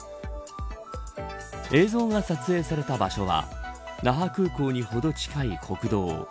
映像が撮影された場所は那覇空港にほど近い国道。